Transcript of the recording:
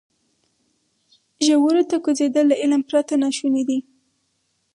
ژورو ته کوزېدل له علم پرته ناشونی دی.